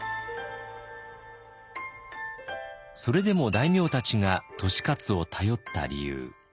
それでも大名たちが利勝を頼った理由。